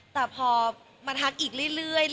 แต่พอมาทักอีกเรื่อย